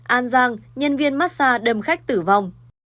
an giang nhân viên mát xa đâm khách tử vong